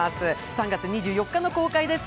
３月２４日の公開です。